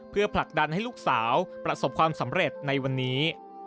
เพื่อผลักดันให้ลูกสาวประสบความสำเร็จในวันนี้